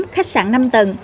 khách sạn năm tầng